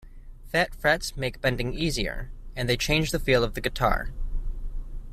Fat frets make bending easier, and they change the feel of the guitar.